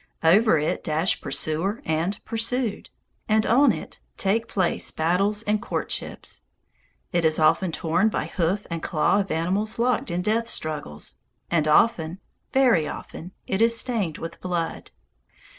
Over it dash pursuer and pursued; and on it take place battles and courtships. It is often torn by hoof and claw of animals locked in death struggles, and often, very often, it is stained with blood.